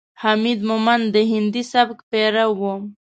حمید مومند د هندي سبک پیرو ؤ.